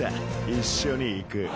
一緒に行く。